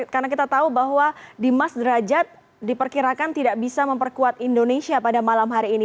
karena kita tahu bahwa di mas derajat diperkirakan tidak bisa memperkuat indonesia pada malam hari ini